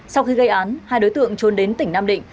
sau khi gây án hai đối tượng trốn đến tỉnh nam định